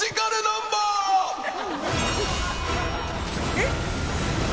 えっ。